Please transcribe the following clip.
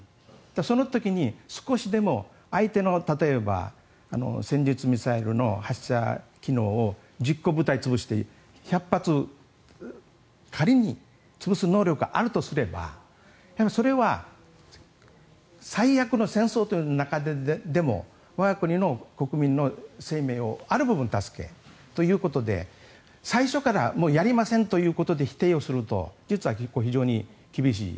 その時に少しでも相手の例えば戦術ミサイルの発射機能を１０個部隊潰して１００発仮に潰す能力があるとすればそれは最悪の戦争という中ででも我が国の国民の生命をある部分を助けということで最初からやりませんということで否定をすると実は非常に厳しい。